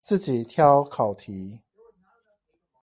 自己挑考題